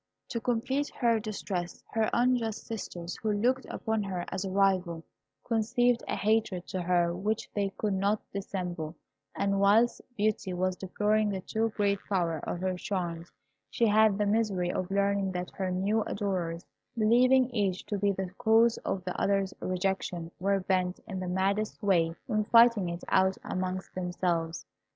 To complete her distress, her unjust sisters, who looked upon her as a rival, conceived a hatred to her which they could not dissemble; and whilst Beauty was deploring the too great power of her charms, she had the misery of learning that her new adorers, believing each to be the cause of the other's rejection, were bent, in the maddest way, on fighting it out amongst themselves.